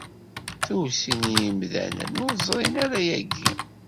Tuget n yimdanen ur ẓrin ara ayagi.